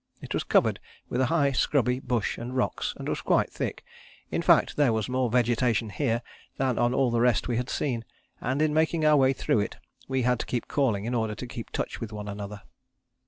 It was covered with a high scrubby bush and rocks, and was quite thick; in fact there was more vegetation here than on all the rest we had seen, and in making our way through it we had to keep calling in order to keep touch with one another.